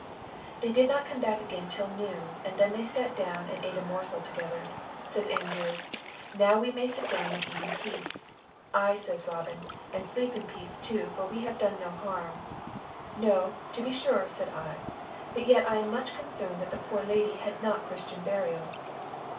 "They did not come back again till noon, and then they sat down and ate a morsel together. Says Andrew, 'Now we may sit down and eat in peace.' 'Aye,' says Robin, 'and sleep in peace too, for we have done no harm.' 'No, to be sure,' said I; 'but yet I am much concerned that the poor Lady had not Christian burial.